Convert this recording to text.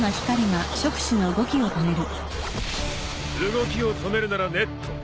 動きを止めるならネット。